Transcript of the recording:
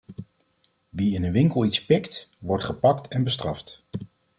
Wie in een winkel iets pikt, wordt gepakt en bestraft.